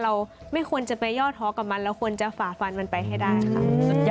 เราไม่ควรจะไปย่อท้อกับมันเราควรจะฝ่าฟันมันไปให้ได้ค่ะ